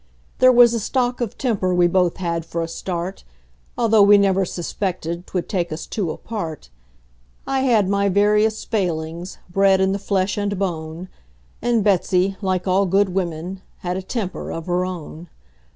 There was a stock of temper we both had for a start, Although we never suspected 'twould take us two apart; I had my various failings, bred in the flesh and bone; And Betsey, like all good women, had a temper of her own.